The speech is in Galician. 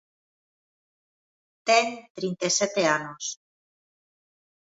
Ten trinta e sete anos.